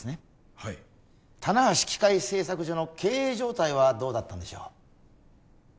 はいたなはし機械製作所の経営状態はどうだったんでしょう？